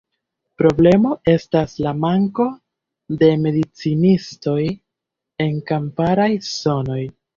Problemo estas la manko de medicinistoj en kamparaj zonoj.